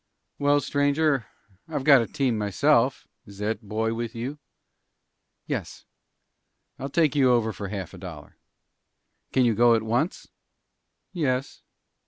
"Well, stranger, I've got a team myself. Is that boy with you?" "Yes." "I'll take you over for half a dollar." "Can you go at once?" "Yes."